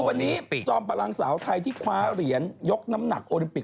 วันนี้จอมพลังสาวไทยที่คว้าเหรียญยกน้ำหนักโอลิมปิก